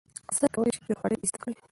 افسر کولای سي چې خولۍ ایسته کړي.